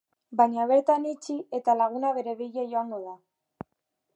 Baina bertan itxi eta laguna bere bila joango da.